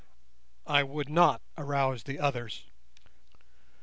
I would not arouse the others.